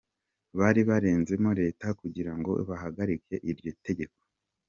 Bari barezemo leta, kugirango bahagarike iryo tegeko.